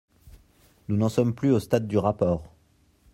Nous n’en sommes plus au stade du rapport.